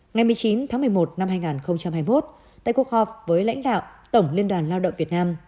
ngày một mươi chín tháng một mươi một năm hai nghìn hai mươi một tại cuộc họp với lãnh đạo tổng liên đoàn lao động việt nam